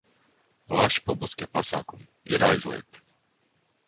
Plaši publiskie pasākumi ir aizliegti.